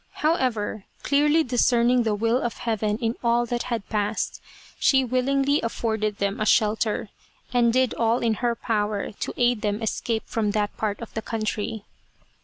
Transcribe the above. However, clearly discerning the will of Heaven in all that had passed, she willingly afforded them a shelter, and did all in her power to aid them escape from that part of the country.